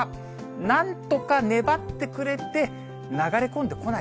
なんとか粘ってくれて、流れ込んでこない。